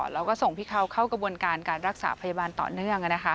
แล้วก็ส่งพี่เขาเข้ากระบวนการการรักษาพยาบาลต่อเนื่อง